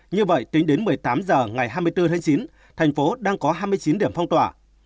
như vậy tính đến một mươi tám h ngày hai mươi bốn tháng chín thành phố đang có hai mươi chín điểm phong tỏa